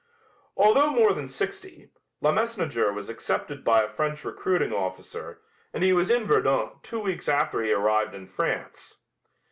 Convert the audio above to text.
Although more than sixty, La Messneger was accepted by a French recruiting officer and he was in Verdun two weeks after he arrived in France.